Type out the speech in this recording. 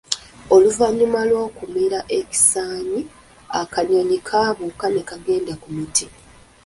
Oluvannyuma lw’okumira ekisaanyi, akanyonyi kaabuuka ne kagenda ku muti.